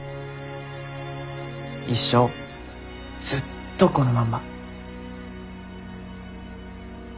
一生ずっとこのまんま。